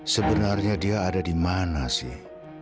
sebenarnya dia ada dimana sih